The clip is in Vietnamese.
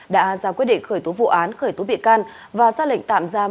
đã ra quyết định khởi tố vụ án khởi tố bị can và ra lệnh tạm giam